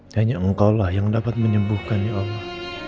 hanya engkau lah yang dapat menyembuhkan ya allah